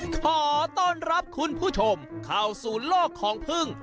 ขอต้อนรับคุณผู้ชมเข้าสู่โลกของพึ่ง